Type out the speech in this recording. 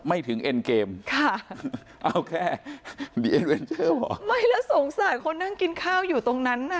ไม่ถึงเอ็นเกมค่ะเอาแค่หรอไม่แล้วสงสัยคนนั่งกินข้าวอยู่ตรงนั้นอ่ะ